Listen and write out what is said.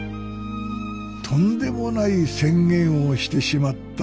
とんでもない宣言をしてしまったさくら。